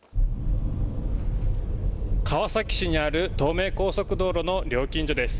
川崎市にある東名高速道路の料金所です。